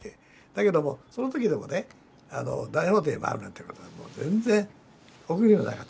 だけどもその時でもね大法廷に回るなんてことは全然おくびにもなかったからね。